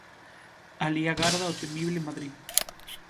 Alí agarda o temible Madrid.